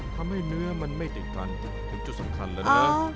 ทำให้เนื้อมันไม่ติดกันถึงจุดสำคัญแล้วนะ